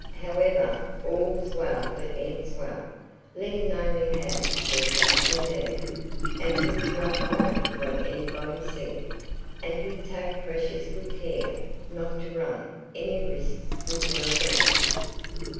However, all's well that ends well. Let him only have her safely there, and he would not mind what anybody said; and he'd take precious good care not to run any risks with her again.